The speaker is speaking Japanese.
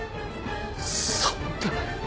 そんな。